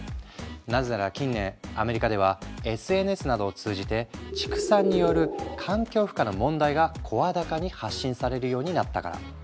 なぜなら近年アメリカではＳＮＳなどを通じて畜産による環境負荷の問題が声高に発信されるようになったから。